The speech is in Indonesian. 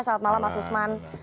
salam malam mas usman